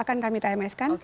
akan kami tms kan